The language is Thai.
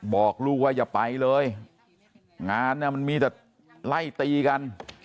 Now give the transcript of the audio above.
บอกลูกว่าอย่าไปเลยงานเนี่ยมันมีแต่ไล่ตีกัน